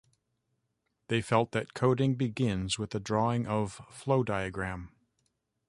They felt that coding begins with the drawing of flow diagram.